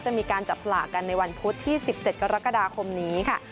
จะมีการจับสลากกันในวันพุธที่๑๗กรกฎาคมนี้ค่ะ